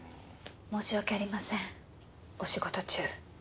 申し訳ありませんお仕事中。